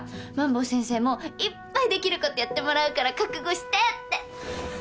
萬坊先生もいっぱいできることやってもらうから覚悟してって。